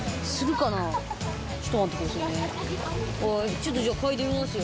ちょっとじゃあ嗅いでみますよ。